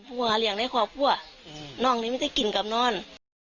เอ่อแอบพูดขอเลี่ยงได้ก่อพวกน้องนี้ไม่ได้กลีนจอบนอน